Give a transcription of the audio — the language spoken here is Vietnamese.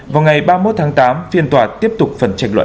vào ngày ba mươi một tháng tám phiên tòa tiếp tục phần tranh luận